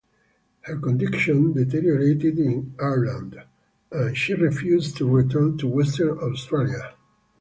Her condition deteriorated in Ireland, and she refused to return to Western Australia.